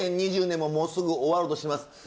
２０２０年ももうすぐ終わろうとしてます。